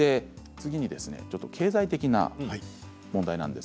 次に経済的な問題です。